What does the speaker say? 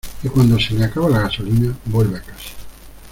y cuando se le acaba la gasolina, vuelve a casa.